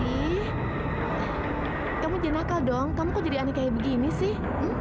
ih kamu jenaka dong kamu kok jadi aneh kayak begini sih